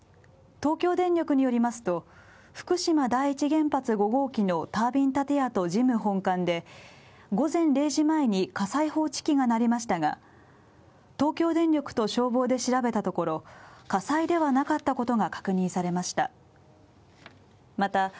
東京電力によりますと、福島第１原発５号機のタービン建屋と事務本館で午前０時前に火災報知機が鳴りましたが、東京電力と消防で調べたところ、火災ではなかったことが確認されました。